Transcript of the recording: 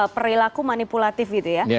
perilaku manipulatif gitu ya